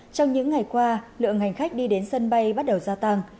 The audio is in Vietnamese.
trong những ngày qua lượng hành khách đi đến sân bay bắt đầu gia tăng